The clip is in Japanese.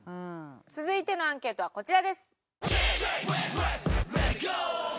続いてのアンケートはこちらです。